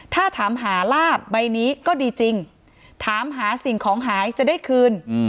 ถ้าถามหาลาบใบนี้ก็ดีจริงถามหาสิ่งของหายจะได้คืน